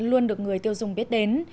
luôn được người tiêu dùng biết đến